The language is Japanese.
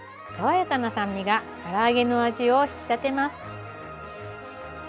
爽やかな酸味がから揚げの味を引き立てます。